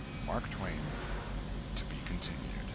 MARK TWAIN. (_To be Continued.